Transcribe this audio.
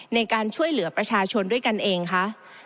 ในการช่วยเหลือประชาชนด้วยกันเองคะ